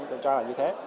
tôi cho là như thế